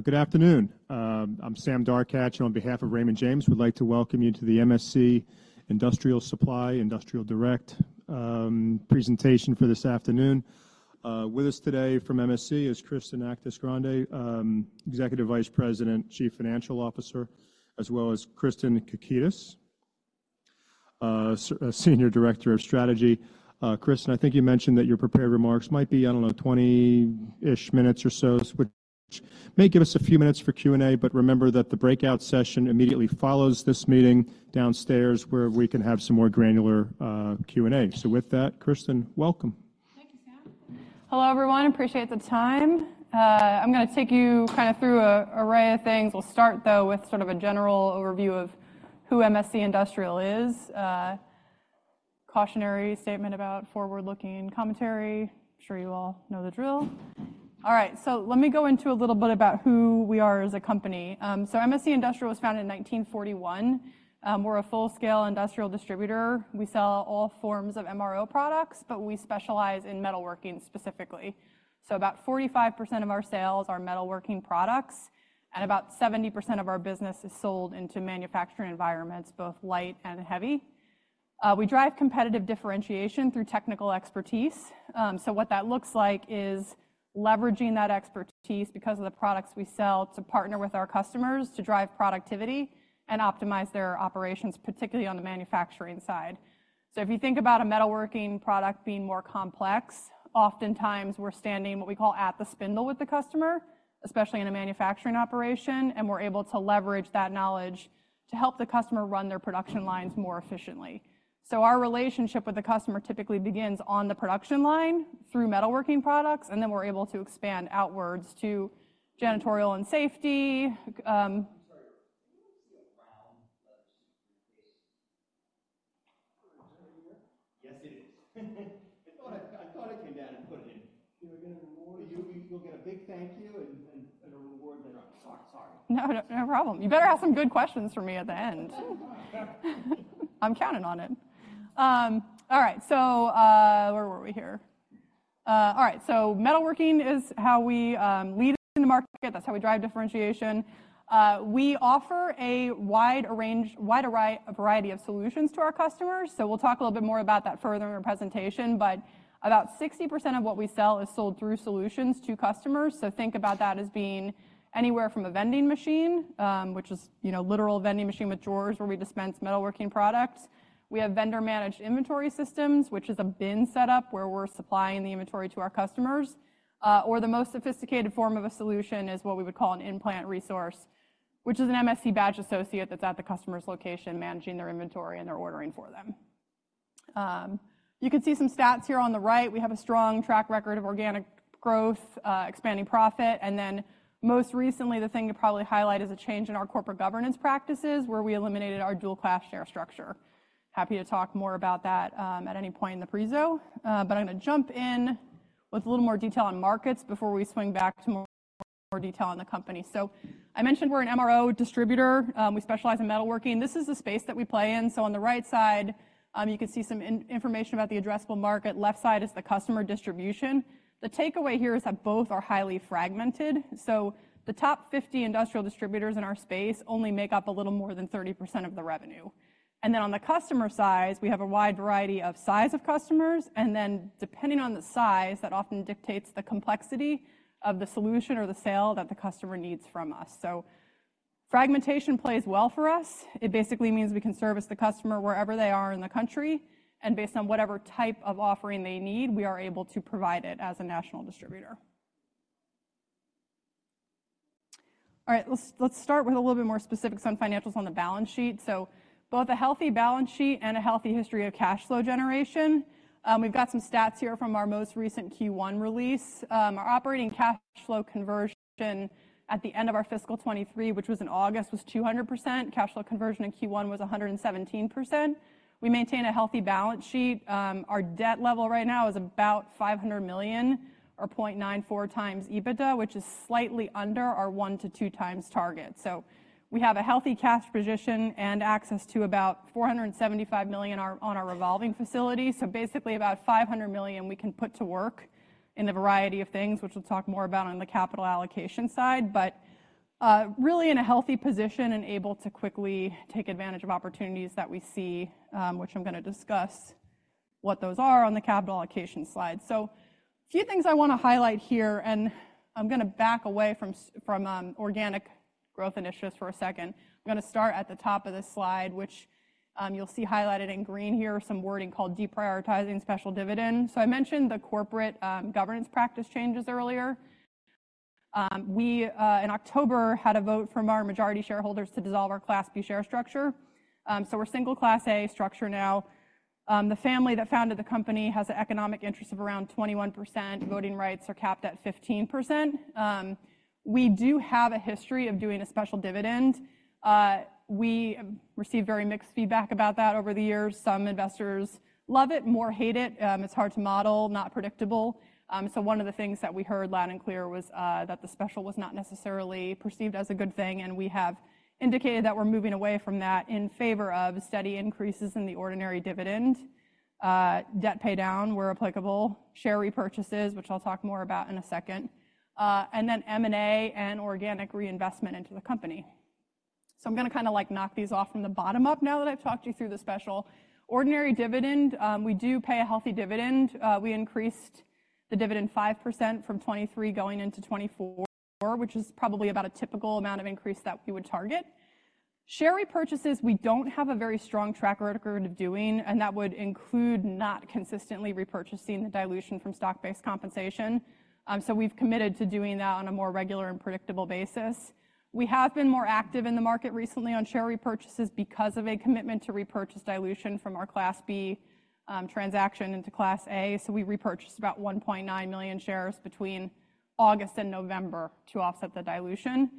Good afternoon. I'm Sam Darkatsh, and on behalf of Raymond James, we'd like to welcome you to the MSC Industrial Supply, Industrial Direct, presentation for this afternoon. With us today from MSC is Kristen Actis-Grande, Executive Vice President, Chief Financial Officer, as well as Kristen Kukta, Senior Director of Strategy. Kristen, I think you mentioned that your prepared remarks might be, I don't know, 20-ish minutes or so, which may give us a few minutes for Q&A, but remember that the breakout session immediately follows this meeting downstairs, where we can have some more granular, Q&A. So with that, Kristen, welcome. Thank you, Sam. Hello, everyone. Appreciate the time. I'm gonna take you kind of through an array of things. We'll start, though, with sort of a general overview of who MSC Industrial is. Cautionary statement about forward-looking commentary. I'm sure you all know the drill. All right, so let me go into a little bit about who we are as a company. So MSC Industrial was founded in 1941. We're a full-scale industrial distributor. We sell all forms of MRO products, but we specialize in metalworking specifically. So about 45% of our sales are metalworking products, and about 70% of our business is sold into manufacturing environments, both light and heavy. We drive competitive differentiation through technical expertise. What that looks like is leveraging that expertise because of the products we sell, to partner with our customers to drive productivity and optimize their operations, particularly on the manufacturing side. If you think about a metalworking product being more complex, oftentimes we're standing, what we call, at the spindle with the customer, especially in a manufacturing operation, and we're able to leverage that knowledge to help the customer run their production lines more efficiently. Our relationship with the customer typically begins on the production line through metalworking products, and then we're able to expand outwards to janitorial and safety. I'm sorry. Do you see a brown lunch in your face? Yes, it is. I thought I came down and put it in. Do I get a reward? You will get a big thank you and a reward later on. Sorry, sorry. No, no, no problem. You better have some good questions for me at the end. I'm counting on it. All right, so where were we here? All right, so metalworking is how we lead in the market. That's how we drive differentiation. We offer a wide array, a variety of solutions to our customers, so we'll talk a little bit more about that further in our presentation. But about 60% of what we sell is sold through solutions to customers. So think about that as being anywhere from a vending machine, which is, you know, literal vending machine with drawers where we dispense metalworking products. We have vendor-managed inventory systems, which is a bin setup where we're supplying the inventory to our customers. Or the most sophisticated form of a solution is what we would call an In-Plant resource, which is an MSC badge associate that's at the customer's location, managing their inventory and they're ordering for them. You can see some stats here on the right. We have a strong track record of organic growth, expanding profit, and then most recently, the thing to probably highlight is a change in our corporate governance practices, where we eliminated our dual-class share structure. Happy to talk more about that at any point in the Preso. But I'm gonna jump in with a little more detail on markets before we swing back to more, more detail on the company. So I mentioned we're an MRO distributor. We specialize in metalworking. This is the space that we play in. So on the right side, you can see some information about the addressable market. Left side is the customer distribution. The takeaway here is that both are highly fragmented, so the top 50 industrial distributors in our space only make up a little more than 30% of the revenue. And then on the customer side, we have a wide variety of size of customers, and then depending on the size, that often dictates the complexity of the solution or the sale that the customer needs from us. So fragmentation plays well for us. It basically means we can service the customer wherever they are in the country, and based on whatever type of offering they need, we are able to provide it as a national distributor. All right, let's start with a little bit more specifics on financials on the balance sheet. So both a healthy balance sheet and a healthy history of cash flow generation. We've got some stats here from our most recent Q1 release. Our operating cash flow conversion at the end of our fiscal 2023, which was in August, was 200%. Cash flow conversion in Q1 was 117%. We maintain a healthy balance sheet. Our debt level right now is about $500 million or 0.94x EBITDA, which is slightly under our 1-2x target. So we have a healthy cash position and access to about $475 million on our revolving facility. So basically, about $500 million we can put to work in a variety of things, which we'll talk more about on the capital allocation side. But really in a healthy position and able to quickly take advantage of opportunities that we see, which I'm gonna discuss what those are on the capital allocation slide. So a few things I wanna highlight here, and I'm gonna back away from organic growth initiatives for a second. I'm gonna start at the top of this slide, which you'll see highlighted in green here, some wording called deprioritizing special dividend. So I mentioned the corporate governance practice changes earlier. In October, we had a vote from our majority shareholders to dissolve our Class B share structure. So we're single Class A structure now. The family that founded the company has an economic interest of around 21%. Voting rights are capped at 15%. We do have a history of doing a special dividend. We received very mixed feedback about that over the years. Some investors love it, more hate it. It's hard to model, not predictable. So one of the things that we heard loud and clear was that the special was not necessarily perceived as a good thing, and we have indicated that we're moving away from that in favor of steady increases in the ordinary dividend, debt paydown, where applicable, share repurchases, which I'll talk more about in a second, and then M&A and organic reinvestment into the company. So I'm gonna kind of like knock these off from the bottom up now that I've talked you through the special. Ordinary dividend, we do pay a healthy dividend. We increased the dividend 5% from 2023 going into 2024, which is probably about a typical amount of increase that we would target. Share repurchases, we don't have a very strong track record of doing, and that would include not consistently repurchasing the dilution from stock-based compensation. So we've committed to doing that on a more regular and predictable basis. We have been more active in the market recently on share repurchases because of a commitment to repurchase dilution from our Class B transaction into Class A. So we repurchased about 1.9 million shares between August and November to offset the dilution.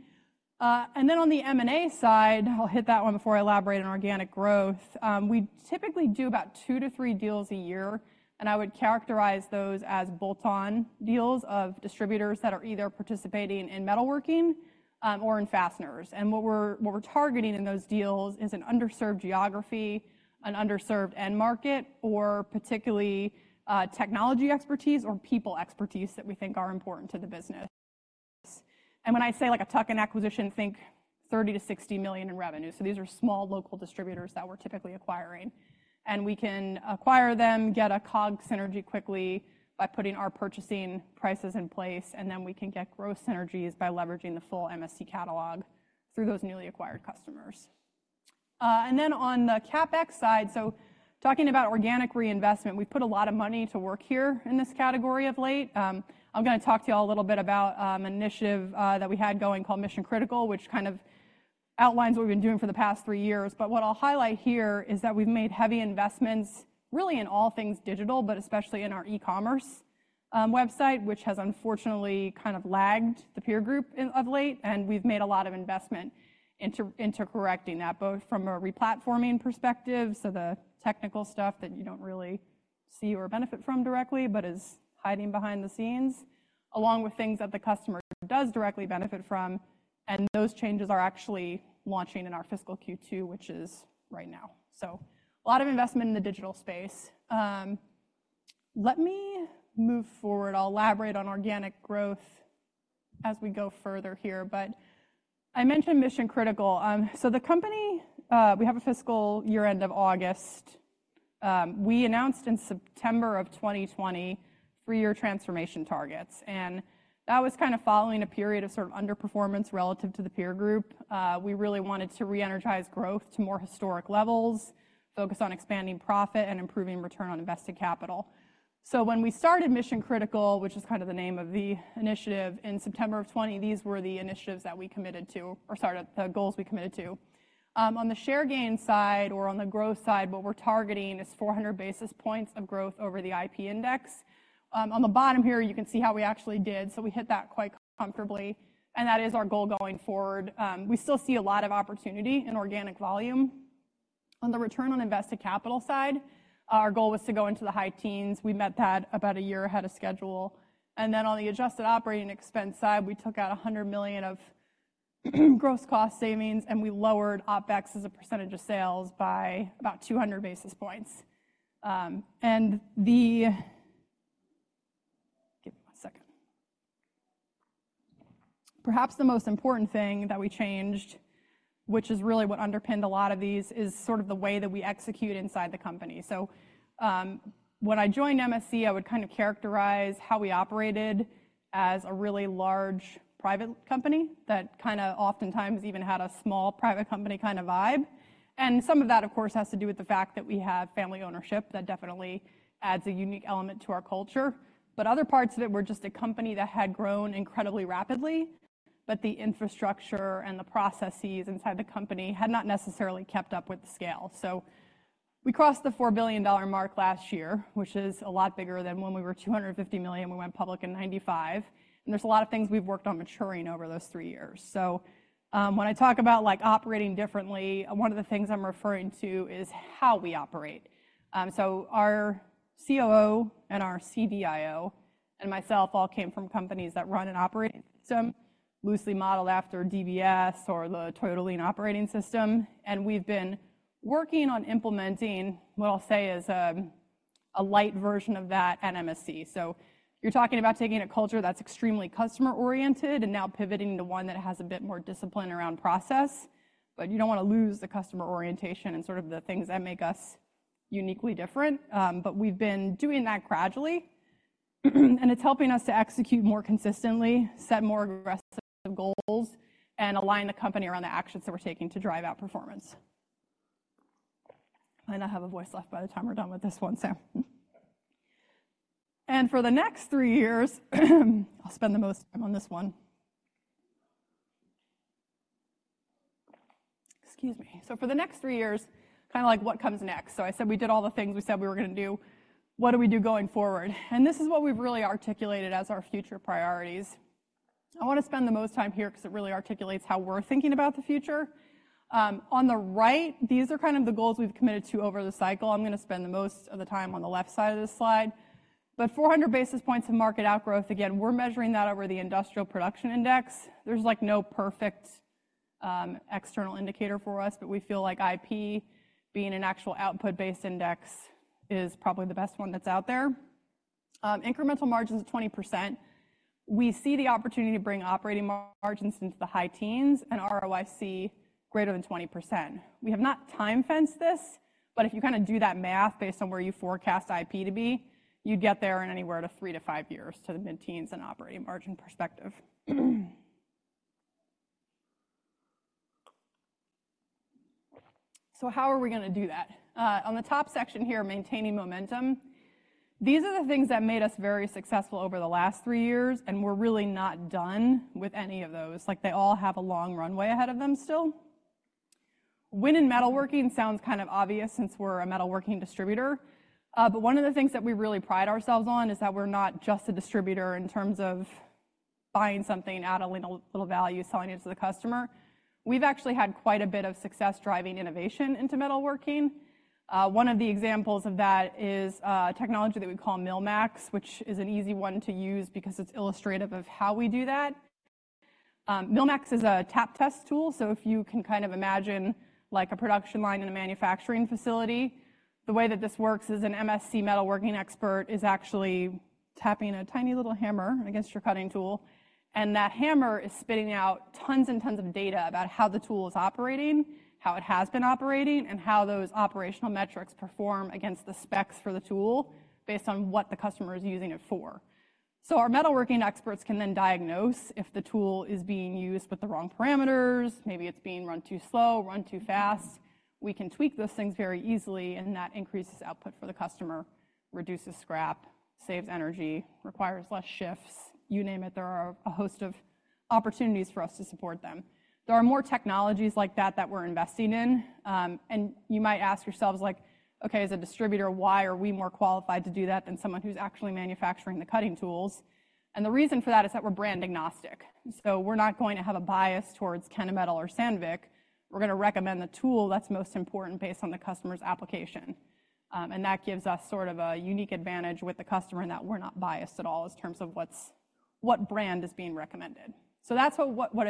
And then on the M&A side, I'll hit that one before I elaborate on organic growth. We typically do about two-three deals a year, and I would characterize those as bolt-on deals of distributors that are either participating in metalworking or in fasteners. And what we're, what we're targeting in those deals is an underserved geography, an underserved end market, or particularly, technology expertise or people expertise that we think are important to the business. And when I say like a tuck-in acquisition, think $30 million-$60 million in revenue. So these are small local distributors that we're typically acquiring. And we can acquire them, get a COGS synergy quickly by putting our purchasing prices in place, and then we can get growth synergies by leveraging the full MSC catalog through those newly acquired customers. And then on the CapEx side, so talking about organic reinvestment, we've put a lot of money to work here in this category of late. I'm gonna talk to you all a little bit about an initiative that we had going called Mission Critical, which kind of outlines what we've been doing for the past three years. But what I'll highlight here is that we've made heavy investments, really in all things digital, but especially in our e-commerce website, which has unfortunately kind of lagged the peer group in of late, and we've made a lot of investment into correcting that, both from a re-platforming perspective, so the technical stuff that you don't really see or benefit from directly but is hiding behind the scenes, along with things that the customer does directly benefit from, and those changes are actually launching in our fiscal Q2, which is right now. So a lot of investment in the digital space. Let me move forward. I'll elaborate on organic growth as we go further here, but I mentioned Mission Critical. So the company, we have a fiscal year end of August. We announced in September of 2020 three-year transformation targets, and that was kind of following a period of sort of underperformance relative to the peer group. We really wanted to reenergize growth to more historic levels, focus on expanding profit, and improving return on invested capital. So when we started Mission Critical, which is kind of the name of the initiative, in September of 2020, these were the initiatives that we committed to, or sorry, the goals we committed to. On the share gain side or on the growth side, what we're targeting is 400 basis points of growth over the IP index. On the bottom here, you can see how we actually did, so we hit that quite comfortably, and that is our goal going forward. We still see a lot of opportunity in organic volume. On the return on invested capital side, our goal was to go into the high teens. We met that about a year ahead of schedule. Then on the adjusted operating expense side, we took out $100 million of gross cost savings, and we lowered OpEx as a percentage of sales by about 200 basis points. Perhaps the most important thing that we changed, which is really what underpinned a lot of these, is sort of the way that we execute inside the company. So, when I joined MSC, I would kind of characterize how we operated as a really large private company that kinda oftentimes even had a small private company kind of vibe. And some of that, of course, has to do with the fact that we have family ownership. That definitely adds a unique element to our culture, but other parts of it were just a company that had grown incredibly rapidly, but the infrastructure and the processes inside the company had not necessarily kept up with the scale. So we crossed the $4 billion mark last year, which is a lot bigger than when we were $250 million, we went public in 1995, and there's a lot of things we've worked on maturing over those three years. So, when I talk about like operating differently, one of the things I'm referring to is how we operate. So our COO and our CDIO and myself all came from companies that run an operating system, loosely modeled after DBS or the Toyota Lean operating system, and we've been working on implementing what I'll say is, a light version of that at MSC. So you're talking about taking a culture that's extremely customer-oriented and now pivoting to one that has a bit more discipline around process, but you don't wanna lose the customer orientation and sort of the things that make us uniquely different. But we've been doing that gradually, and it's helping us to execute more consistently, set more aggressive goals, and align the company around the actions that we're taking to drive out performance. I might not have a voice left by the time we're done with this one. For the next three years, I'll spend the most time on this one. Excuse me. For the next three years, kinda like what comes next? I said we did all the things we said we were gonna do. What do we do going forward? This is what we've really articulated as our future priorities. I wanna spend the most time here 'cause it really articulates how we're thinking about the future. On the right, these are kind of the goals we've committed to over the cycle. I'm gonna spend the most of the time on the left side of this slide. But 400 basis points of market outgrowth, again, we're measuring that over the Industrial Production Index. There's, like, no perfect external indicator for us, but we feel like IP, being an actual output-based index, is probably the best one that's out there. Incremental margins of 20%. We see the opportunity to bring operating margins into the high teens and ROIC greater than 20%. We have not time-fenced this, but if you kinda do that math based on where you forecast IP to be, you'd get there in anywhere from three-five years, to the mid-teens in operating margin perspective. So how are we gonna do that? On the top section here, maintaining momentum, these are the things that made us very successful over the last three years, and we're really not done with any of those. Like, they all have a long runway ahead of them still. Win in metalworking sounds kind of obvious since we're a metalworking distributor, but one of the things that we really pride ourselves on is that we're not just a distributor in terms of buying something, adding a little, little value, selling it to the customer. We've actually had quite a bit of success driving innovation into metalworking. One of the examples of that is a technology that we call MillMax, which is an easy one to use because it's illustrative of how we do that. MillMax is a tap test tool, so if you can kind of imagine, like, a production line in a manufacturing facility, the way that this works is an MSC metalworking expert is actually tapping a tiny little hammer against your cutting tool, and that hammer is spitting out tons and tons of data about how the tool is operating, how it has been operating, and how those operational metrics perform against the specs for the tool, based on what the customer is using it for. So our metalworking experts can then diagnose if the tool is being used with the wrong parameters, maybe it's being run too slow, run too fast. We can tweak those things very easily, and that increases output for the customer, reduces scrap, saves energy, requires less shifts, you name it. There are a host of opportunities for us to support them. There are more technologies like that, that we're investing in, and you might ask yourselves, like: "Okay, as a distributor, why are we more qualified to do that than someone who's actually manufacturing the cutting tools?" The reason for that is that we're brand agnostic. So we're not going to have a bias towards Kennametal or Sandvik. We're gonna recommend the tool that's most important based on the customer's application. That gives us sort of a unique advantage with the customer, in that we're not biased at all in terms of what brand is being recommended. So that's what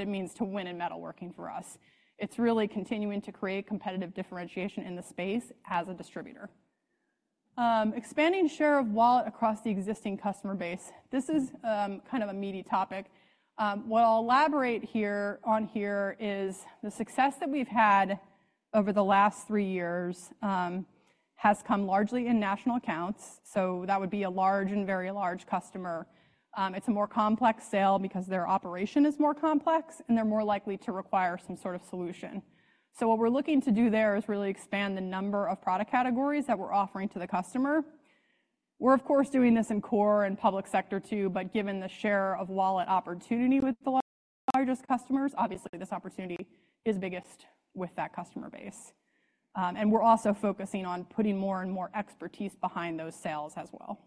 it means to win in metalworking for us. It's really continuing to create competitive differentiation in the space as a distributor. Expanding share of wallet across the existing customer base. This is kind of a meaty topic. What I'll elaborate here, on here, is the success that we've had over the last three years has come largely in national accounts, so that would be a large and very large customer. It's a more complex sale because their operation is more complex, and they're more likely to require some sort of solution. So what we're looking to do there is really expand the number of product categories that we're offering to the customer. We're of course doing this in core and public sector too, but given the share of wallet opportunity with the largest customers, obviously this opportunity is biggest with that customer base. And we're also focusing on putting more and more expertise behind those sales as well.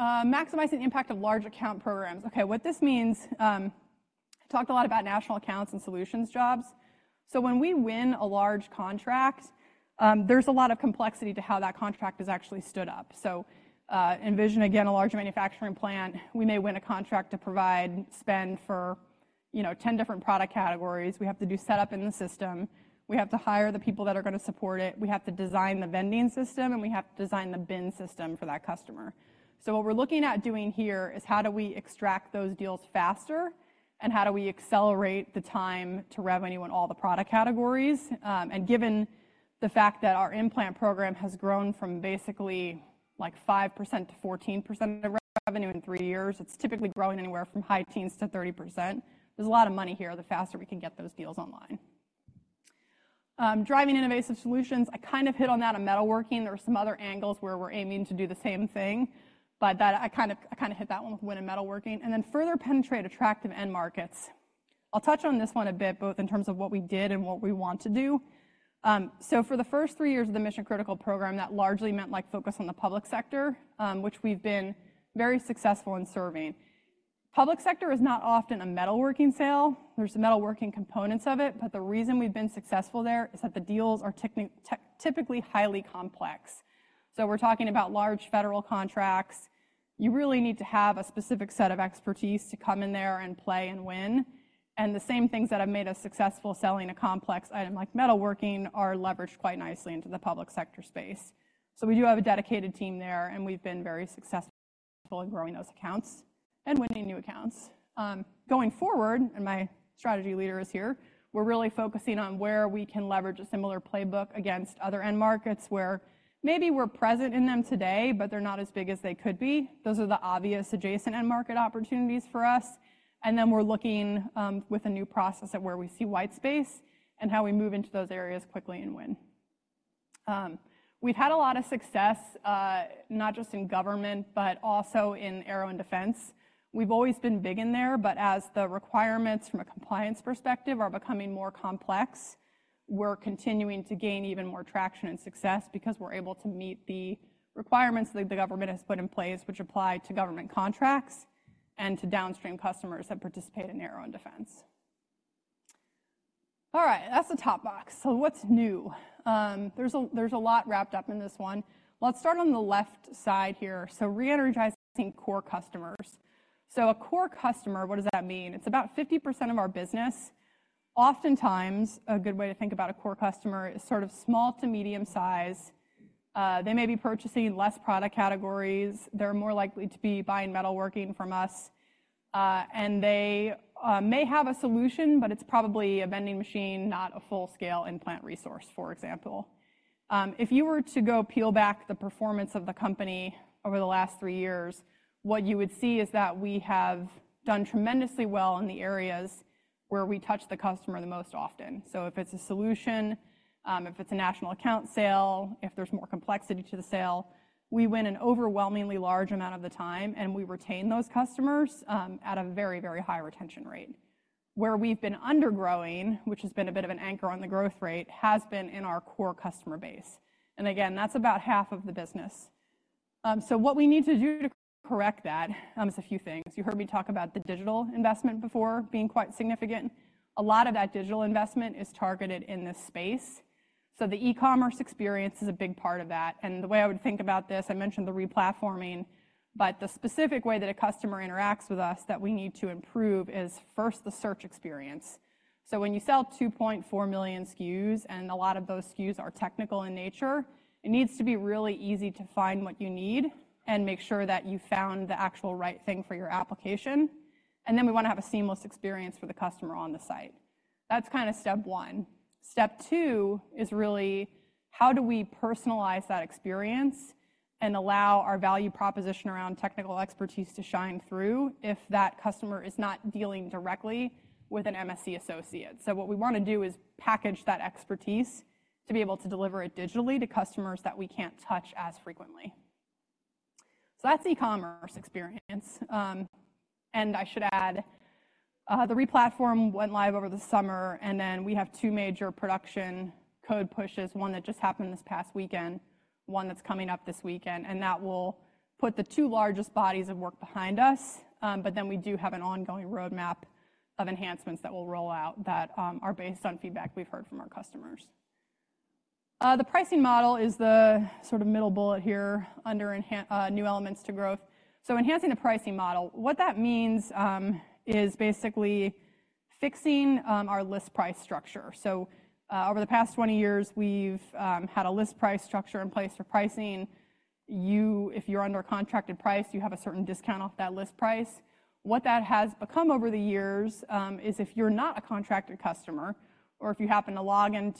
Maximizing the impact of large account programs. Okay, what this means, I talked a lot about national accounts and solutions jobs. So when we win a large contract, there's a lot of complexity to how that contract is actually stood up. So, envision, again, a large manufacturing plant. We may win a contract to provide spend for, you know, 10 different product categories. We have to do set-up in the system, we have to hire the people that are gonna support it, we have to design the vending system, and we have to design the bin system for that customer. So what we're looking at doing here, is how do we extract those deals faster, and how do we accelerate the time to revenue on all the product categories? And given the fact that our In-plant program has grown from basically, like, 5% to 14% of the revenue in three years, it's typically growing anywhere from high teens to 30%. There's a lot of money here, the faster we can get those deals online. Driving innovative solutions. I kind of hit on that in metalworking. There are some other angles where we're aiming to do the same thing, but I kind of, I kind of hit that one with win in metalworking. Then further penetrate attractive end markets. I'll touch on this one a bit, both in terms of what we did and what we want to do. So for the first three years of the Mission Critical program, that largely meant, like, focus on the public sector, which we've been very successful in serving. Public sector is not often a metalworking sale. There's some metalworking components of it, but the reason we've been successful there is that the deals are typically highly complex. So we're talking about large federal contracts. You really need to have a specific set of expertise to come in there and play and win, and the same things that have made us successful selling a complex item like metalworking, are leveraged quite nicely into the public sector space. So we do have a dedicated team there, and we've been very successful in growing those accounts and winning new accounts. Going forward, and my strategy leader is here, we're really focusing on where we can leverage a similar playbook against other end markets, where maybe we're present in them today, but they're not as big as they could be. Those are the obvious adjacent end market opportunities for us, and then we're looking, with a new process at where we see white space and how we move into those areas quickly and win. We've had a lot of success, not just in government, but also in aero and defense. We've always been big in there, but as the requirements from a compliance perspective are becoming more complex, we're continuing to gain even more traction and success because we're able to meet the requirements that the government has put in place, which apply to government contracts and to downstream customers that participate in aero and defense. All right, that's the top box. So what's new? There's a lot wrapped up in this one. Let's start on the left side here. So re-energizing core customers. So a core customer, what does that mean? It's about 50% of our business. Oftentimes, a good way to think about a core customer is sort of small to medium size. They may be purchasing less product categories. They're more likely to be buying metalworking from us, and they may have a solution, but it's probably a vending machine, not a full-scale In-Plant resource, for example. If you were to go peel back the performance of the company over the last three years, what you would see is that we have done tremendously well in the areas where we touch the customer the most often. So if it's a solution, if it's a national account sale, if there's more complexity to the sale, we win an overwhelmingly large amount of the time, and we retain those customers at a very, very high retention rate. Where we've been undergrowing, which has been a bit of an anchor on the growth rate, has been in our core customer base. And again, that's about half of the business. So what we need to do to correct that is a few things. You heard me talk about the digital investment before being quite significant. A lot of that digital investment is targeted in this space, so the e-commerce experience is a big part of that. And the way I would think about this, I mentioned the re-platforming, but the specific way that a customer interacts with us that we need to improve is first, the search experience. So when you sell 2.4 million SKUs, and a lot of those SKUs are technical in nature, it needs to be really easy to find what you need and make sure that you found the actual right thing for your application, and then we wanna have a seamless experience for the customer on the site. That's kind step one. Step two is really, how do we personalize that experience and allow our value proposition around technical expertise to shine through if that customer is not dealing directly with an MSC associate? So what we wanna do is package that expertise to be able to deliver it digitally to customers that we can't touch as frequently. So that's e-commerce experience. And I should add, the re-platform went live over the summer, and then we have two major production code pushes, one that just happened this past weekend, one that's coming up this weekend, and that will put the two largest bodies of work behind us. But then we do have an ongoing roadmap of enhancements that we'll roll out that, are based on feedback we've heard from our customers. The pricing model is the sort of middle bullet here under new elements to growth. So enhancing the pricing model, what that means, is basically fixing our list price structure. So, over the past 20 years, we've had a list price structure in place for pricing. You, if you're under a contracted price, you have a certain discount off that list price. What that has become over the years, is if you're not a contracted customer or if you happen to go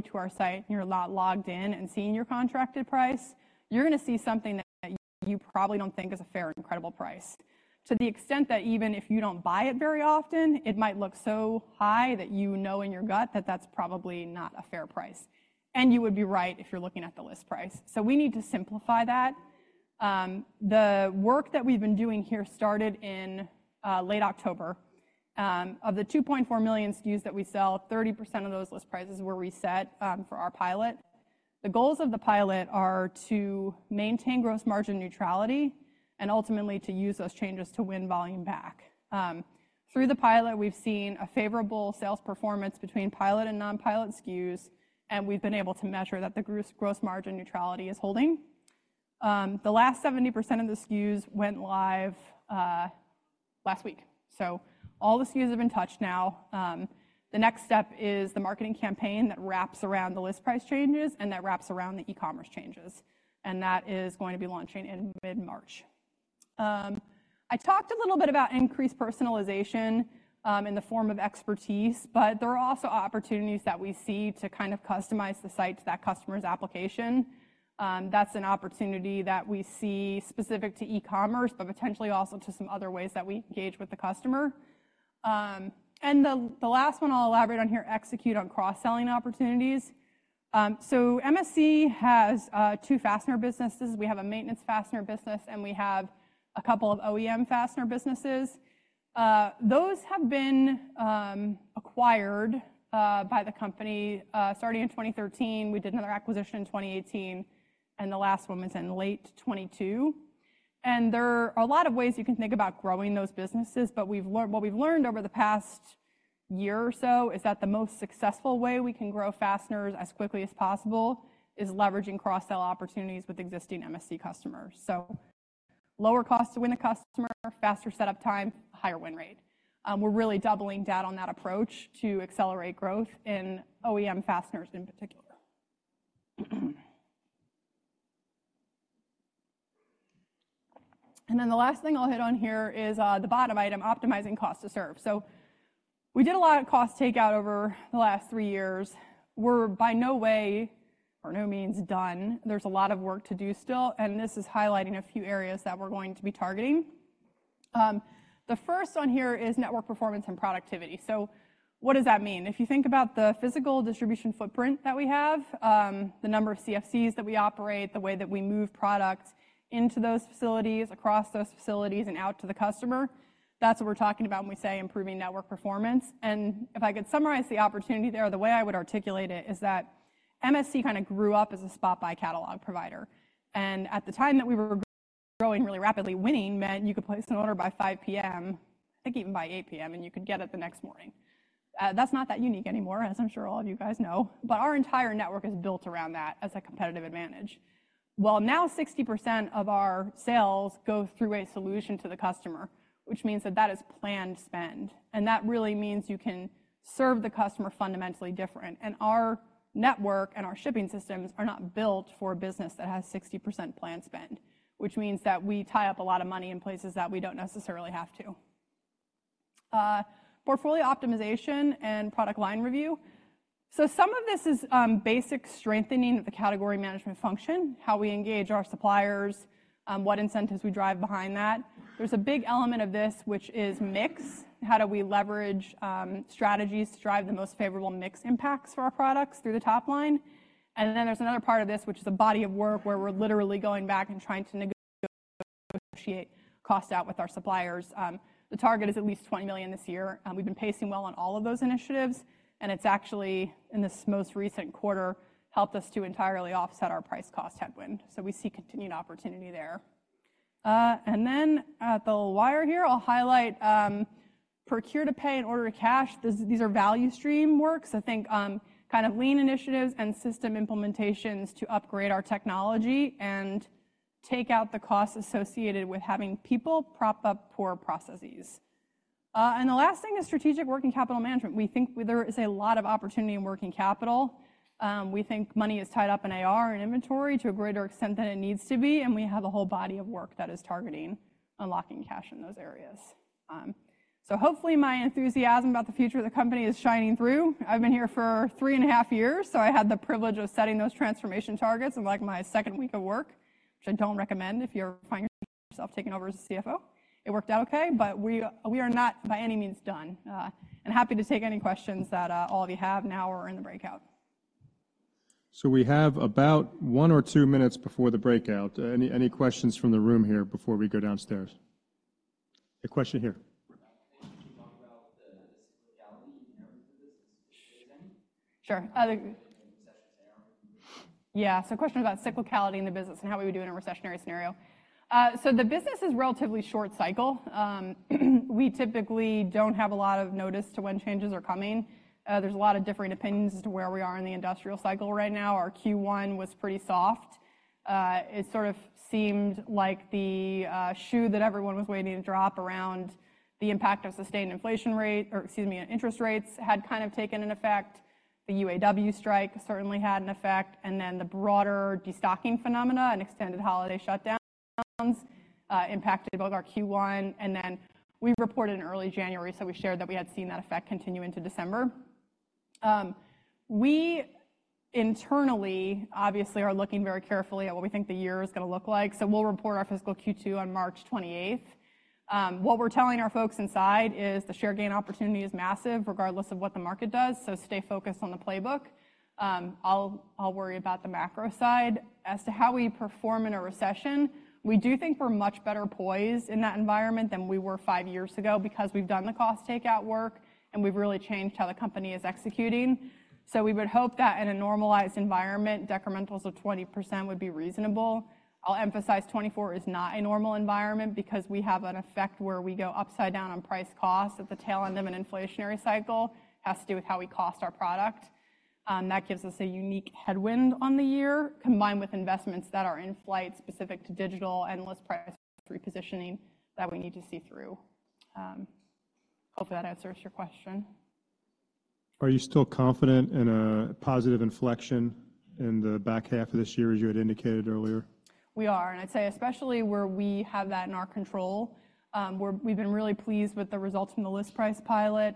to our site, and you're not logged in and seeing your contracted price, you're gonna see something that you probably don't think is a fair and credible price. To the extent that even if you don't buy it very often, it might look so high that you know in your gut that that's probably not a fair price. And you would be right if you're looking at the list price. So we need to simplify that. The work that we've been doing here started in late October. Of the 2.4 million SKUs that we sell, 30% of those list prices were reset for our pilot. The goals of the pilot are to maintain gross margin neutrality and ultimately to use those changes to win volume back. Through the pilot, we've seen a favorable sales performance between pilot and non-pilot SKUs, and we've been able to measure that the gross margin neutrality is holding. The last 70% of the SKUs went live last week. So all the SKUs have been touched now. The next step is the marketing campaign that wraps around the list price changes and that wraps around the e-commerce changes, and that is going to be launching in mid-March. I talked a little bit about increased personalization in the form of expertise, but there are also opportunities that we see to kind of customize the site to that customer's application. That's an opportunity that we see specific to e-commerce, but potentially also to some other ways that we engage with the customer. And the last one I'll elaborate on here, execute on cross-selling opportunities. So MSC has two fastener businesses. We have a maintenance fastener business, and we have a couple of OEM fastener businesses. Those have been acquired by the company starting in 2013. We did another acquisition in 2018, and the last one was in late 2022. There are a lot of ways you can think about growing those businesses, but we've learned what we've learned over the past year or so is that the most successful way we can grow fasteners as quickly as possible is leveraging cross-sell opportunities with existing MSC customers. So lower cost to win a customer, faster setup time, higher win rate. We're really doubling down on that approach to accelerate growth in OEM fasteners in particular. And then the last thing I'll hit on here is the bottom item, optimizing cost to serve. So we did a lot of cost takeout over the last three years. We're by no way or no means done. There's a lot of work to do still, and this is highlighting a few areas that we're going to be targeting. The first one here is network performance and productivity. So what does that mean? If you think about the physical distribution footprint that we have, the number of CFCs that we operate, the way that we move products into those facilities, across those facilities, and out to the customer, that's what we're talking about when we say improving network performance. And if I could summarize the opportunity there, the way I would articulate it is that MSC kind of grew up as a spot-buy catalog provider. And at the time that we were growing really rapidly, winning meant you could place an order by 5:00 P.M., I think even by 8:00 P.M., and you could get it the next morning. That's not that unique anymore, as I'm sure all of you guys know, but our entire network is built around that as a competitive advantage. Well, now 60% of our sales go through a solution to the customer, which means that that is planned spend, and that really means you can serve the customer fundamentally different. And our network and our shipping systems are not built for a business that has 60% planned spend, which means that we tie up a lot of money in places that we don't necessarily have to. Portfolio optimization and product line review. So some of this is basic strengthening of the category management function, how we engage our suppliers, what incentives we drive behind that. There's a big element of this, which is mix. How do we leverage strategies to drive the most favorable mix impacts for our products through the top line? And then there's another part of this, which is the body of work, where we're literally going back and trying to negotiate cost out with our suppliers. The target is at least $20 million this year. We've been pacing well on all of those initiatives, and it's actually, in this most recent quarter, helped us to entirely offset our price cost headwind. So we see continued opportunity there. And then, at the wire here, I'll highlight procure to pay and order to cash. These are value stream works. I think kind of lean initiatives and system implementations to upgrade our technology and take out the costs associated with having people prop up poor processes. And the last thing is strategic working capital management. We think there is a lot of opportunity in working capital. We think money is tied up in AR and inventory to a greater extent than it needs to be, and we have a whole body of work that is targeting unlocking cash in those areas. So hopefully, my enthusiasm about the future of the company is shining through. I've been here for 3.5 years, so I had the privilege of setting those transformation targets in, like, my second week of work, which I don't recommend if you're finding yourself taking over as a CFO. It worked out okay, but we are not by any means done. And happy to take any questions that all of you have now or in the breakout. So we have about one or two minutes before the breakout. Any questions from the room here before we go downstairs? A question here. Can you talk about the cyclicality in terms of business? Sure. Other- Recession scenario. Yeah. So, question about cyclicality in the business and how we would do in a recessionary scenario. So, the business is relatively short cycle. We typically don't have a lot of notice to when changes are coming. There's a lot of differing opinions as to where we are in the industrial cycle right now. Our Q1 was pretty soft. It sort of seemed like the shoe that everyone was waiting to drop around the impact of sustained inflation rate, or excuse me, interest rates had kind of taken an effect. The UAW strike certainly had an effect, and then the broader destocking phenomena and extended holiday shutdowns impacted both our Q1, and then we reported in early January, so we shared that we had seen that effect continue into December. We internally, obviously, are looking very carefully at what we think the year is gonna look like. So we'll report our fiscal Q2 on March 28th. What we're telling our folks inside is the share gain opportunity is massive, regardless of what the market does, so stay focused on the playbook. I'll, I'll worry about the macro side. As to how we perform in a recession, we do think we're much better poised in that environment than we were five years ago because we've done the cost takeout work, and we've really changed how the company is executing. So we would hope that in a normalized environment, decrementals of 20% would be reasonable. I'll emphasize 24 is not a normal environment because we have an effect where we go upside down on price costs at the tail end of an inflationary cycle, has to do with how we cost our product. That gives us a unique headwind on the year, combined with investments that are in flight, specific to digital and list price repositioning, that we need to see through. Hope that answers your question. Are you still confident in a positive inflection in the back half of this year, as you had indicated earlier? We are, and I'd say especially where we have that in our control. We've been really pleased with the results from the list price pilot,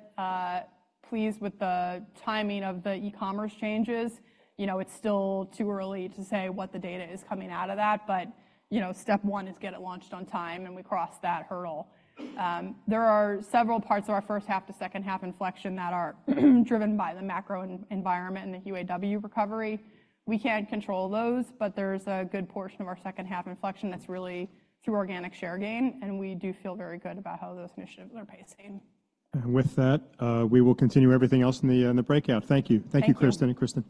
pleased with the timing of the e-commerce changes. You know, it's still too early to say what the data is coming out of that, but, you know, step one is get it launched on time, and we crossed that hurdle. There are several parts of our first half to second half inflection that are driven by the macro environment and the UAW recovery. We can't control those, but there's a good portion of our second half inflection that's really through organic share gain, and we do feel very good about how those initiatives are pacing. With that, we will continue everything else in the breakout. Thank you. Thank you. Thank you, Kristen and Kristen.